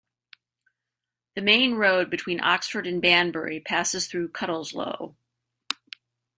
The main road between Oxford and Banbury passes through Cutteslowe.